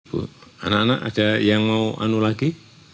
bu anak anak ada yang mau anu lagi